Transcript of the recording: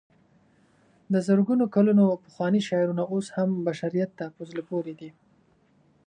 د زرګونو کلونو پخواني شعرونه اوس هم بشریت ته په زړه پورې دي.